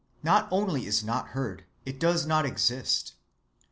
not only is not heard, it does not exist.